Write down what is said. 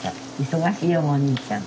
忙しいよお兄ちゃん。